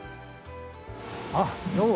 あっどうも。